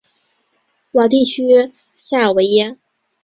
瓦地区塞尔维耶。